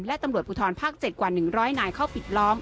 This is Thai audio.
และตำรวจภูทรภาค๗กว่า๑๐๐นายเข้าปิดล้อม